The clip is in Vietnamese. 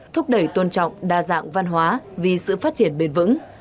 thúc đẩy tôn trọng đa dạng văn hóa vì sự phát triển bền vững